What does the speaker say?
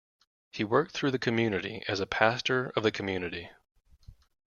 He worked through the community as a pastor of the community.